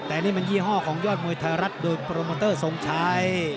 แต่นี่มันยี่ห้อของยอดมวยไทยรัฐโดยโปรโมเตอร์ทรงชัย